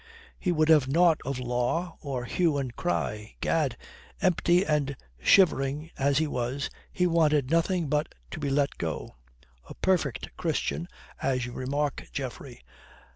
He would have nought of law or hue and cry. Egad, empty and shivering as he was, he wanted nothing but to be let go. A perfect Christian, as you remark, Geoffrey.